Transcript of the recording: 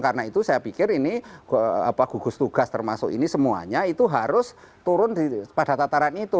karena itu saya pikir ini gugus tugas termasuk ini semuanya itu harus turun pada tataran itu